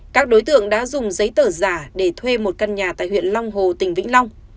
các đối tượng đã dùng giấy tờ giả để thuê một căn nhà tại huyện long hồ tỉnh vĩnh long